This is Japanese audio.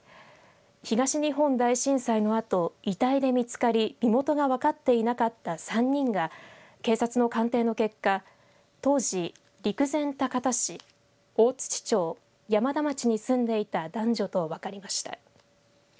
東日本大震災のあと遺体で見つかり身元が分かっていなかった３人が警察の鑑定の結果当時、陸前高田市大槌町、山田町に住んでいた男女と分かりました。